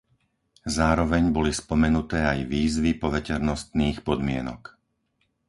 Zároveň boli spomenuté aj výzvy poveternostných podmienok.